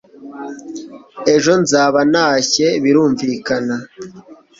ejo nzaba ntashye birumvikana